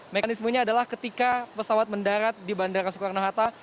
mekanismenya adalah ketika pesawat mendarat di bandara soekarno hatta